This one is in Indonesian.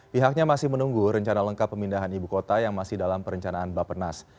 pihaknya masih menunggu rencana lengkap pemindahan ibu kota yang masih dalam perencanaan bapenas